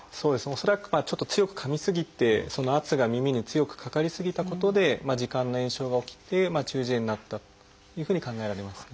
恐らくちょっと強くかみ過ぎてその圧が耳に強くかかり過ぎたことで耳管の炎症が起きて中耳炎になったというふうに考えられますね。